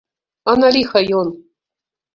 А на ліха ён!